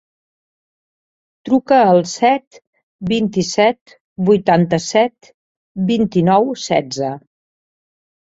Truca al set, vint-i-set, vuitanta-set, vint-i-nou, setze.